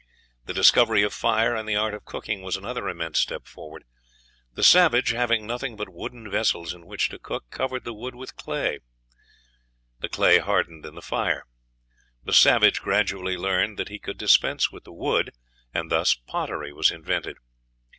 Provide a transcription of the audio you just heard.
The discovery of fire and the art of cooking was another immense step forward. The savage, having nothing but wooden vessels in which to cook, covered the wood with clay; the day hardened in the fire. The savage gradually learned that he could dispense with the wood, and thus pottery was invented.